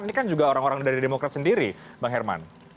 ini kan juga orang orang dari demokrat sendiri bang herman